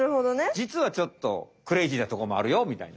じつはちょっとクレイジーなとこもあるよみたいな。